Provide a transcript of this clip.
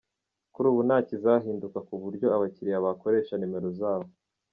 Kuri ubu nta kizahinduka ku buryo abakiriya bakoresha nimero zabo.